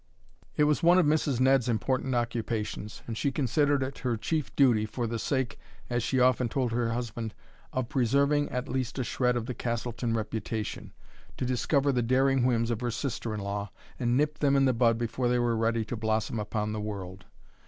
It was one of Mrs. Ned's important occupations, and she considered it her chief duty, for the sake, as she often told her husband, "of preserving at least a shred of the Castleton reputation," to discover the daring whims of her sister in law and nip them in the bud before they were ready to blossom upon the world.